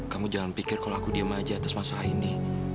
kamu jangan pikir kalau aku diem aja atas masalah ini